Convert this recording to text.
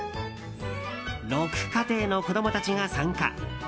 ６家庭の子供たちが参加。